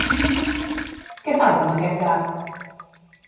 Què fas amb aquest gat?